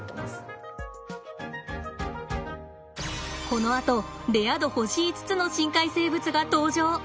このあとレア度星５つの深海生物が登場！